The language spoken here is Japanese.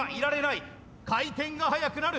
回転が速くなる！